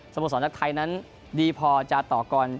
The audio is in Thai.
โมสรจากไทยนั้นดีพอจะต่อกร